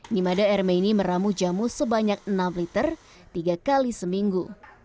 nimade armeni meramu jamu sebanyak enam liter tiga kali seminggu